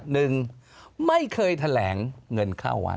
หนึ่งไม่เคยแถลงเงินเข้าวัด